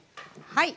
はい。